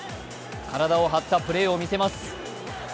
体を張ったプレーを見せます。